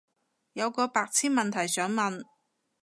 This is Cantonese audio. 有個白癡問題想問